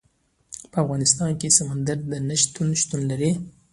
په افغانستان کې سمندر نه شتون شتون لري.